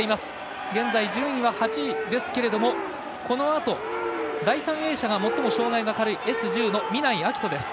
現在順位は８位ですけれどもこのあと、第３泳者が最も障がいのクラスの軽いＳ１０の南井瑛翔です。